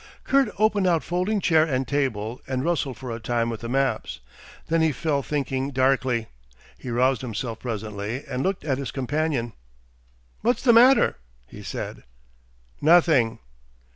Kurt opened out folding chair and table, and rustled for a time with his maps. Then he fell thinking darkly. He roused himself presently, and looked at his companion. "What's the matter?" he said. "Nothing!"